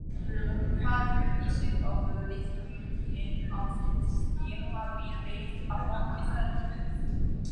Further, issues of legibility and authenticity have been raised among researchers.